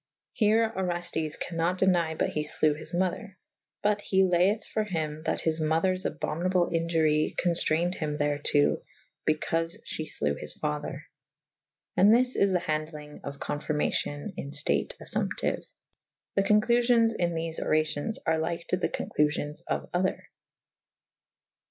Here Oreftes can nat deny but he flewe his mother : but he layeth for hym that his mothers abhominable iniury conftrayned him thereto / bycaufe fhe flewe his father. And this is the handelynge of confyrmacyon in ftate affumptiue. The conclufions in thefe oracyons are lyke to the conclufions of other.